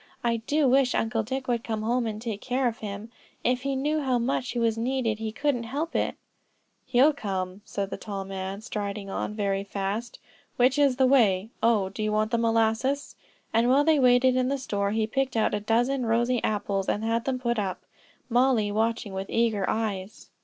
I do wish Uncle Dick would come home and take care of him. If he knew how much he was needed he couldn't help it." "He'll come," said the tall man, striding on very fast; "which is the way? Oh, you want the molasses;" and while they waited in the store, he picked out a dozen rosy apples and had them put up; Mollie watching with eager eyes.